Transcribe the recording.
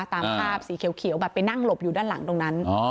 ตามภาพสีเขียวแบบไปนั่งหลบอยู่ด้านหลังตรงนั้น